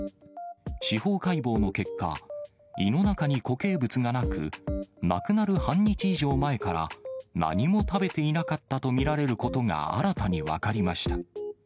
司法解剖の結果、胃の中に固形物がなく、亡くなる半日以上前から何も食べていなかったと見られることが新たに分かりました。